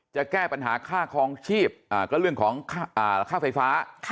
จะแก้ปัญหาค่าคลองชีพก็เรื่องของค่าไฟฟ้า